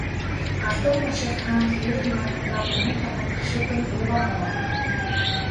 Галдан бошигт хаан хээрийн майхандаа гурван хоног гашуудан дуугаа хураав.